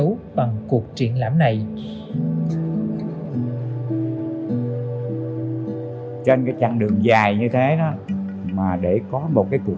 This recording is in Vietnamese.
được họ đánh dấu bằng cuộc triện lãm này trên cái chặng đường dài như thế đó mà để có một cái cuộc